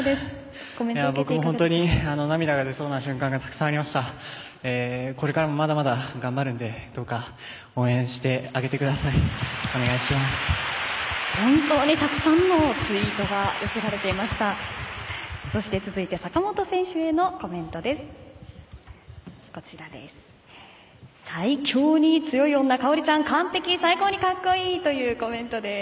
そして続いて坂本選手へのコメントです。